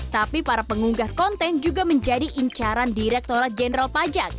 tapi para pengunggah konten juga menjadi incaran direkturat jenderal pajak